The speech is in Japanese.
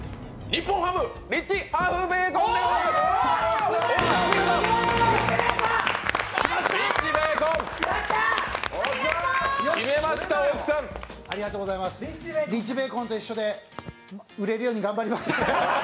リッチベーコンと一緒で売れるように頑張ります。